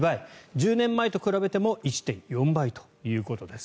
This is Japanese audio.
１０年前と比べても１．４倍ということです。